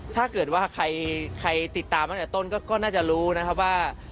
ถ้าเกิดว่าใครติดตามตั้งแต่ต้นก็น่าจะรู้นะครับว่า